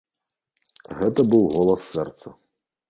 Гэта быў голас сэрца.